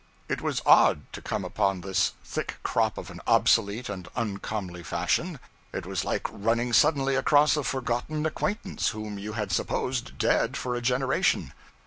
It was odd to come upon this thick crop of an obsolete and uncomely fashion; it was like running suddenly across a forgotten acquaintance whom you had supposed dead for a generation.